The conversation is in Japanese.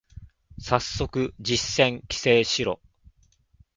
最速実践規制しろ